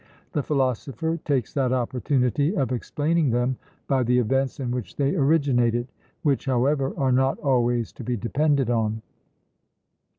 The philosopher takes that opportunity of explaining them by the events in which they originated, which, however, are not always to be depended on.